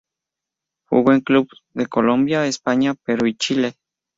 Jugó en clubes de Colombia, España, Perú y Chile.